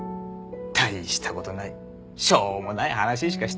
大したことないしょうもない話しかしてなくて。